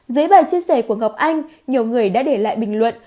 dưới bài chia sẻ của ngọc anh nhiều người đã để lại bình luận